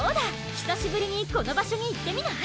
ひさしぶりにこの場所に行ってみない？